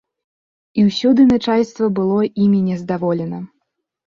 І ўсюды начальства было імі нездаволена.